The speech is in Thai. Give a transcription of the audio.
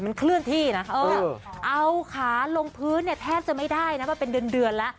มันเคลื่อนที่นะเอาขาลงพื้นเนี่ยแทบจะไม่ได้นะมาเป็นเดือนแล้ว